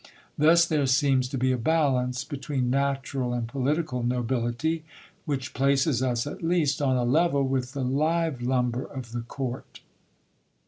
Thus there seems to be a balance between natural and political nobility, which places us at least on a level with the live lumber of the court.